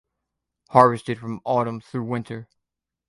Harvested from autumn through winter.